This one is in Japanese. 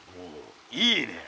いいねえ。